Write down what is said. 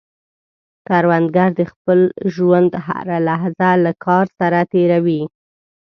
کروندګر د خپل ژوند هره لحظه له کار سره تېر وي